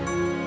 ya udah yaudah